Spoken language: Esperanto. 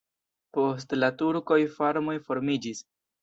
Post la turkoj farmoj formiĝis.